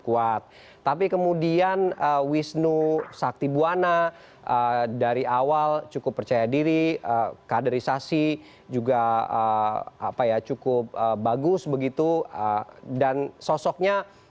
kuat tapi kemudian wisnu sakti buwana dari awal cukup percaya diri kaderisasi juga apa ya cukup bagus begitu dan sosok perak juga cukup bagus begitu dan sosokulis sakti buwana juga bahkan